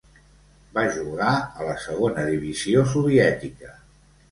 Va jugar a la segona divisió soviètica.